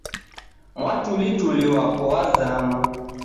Mwatulituli wapo wazama